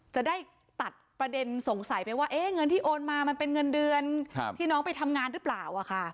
จะได้ตัดประเด็นสงสัยไปว่าเงินที่โอนมามันเป็นเงินเดือนที่น้องไปทำงานหรือเปล่า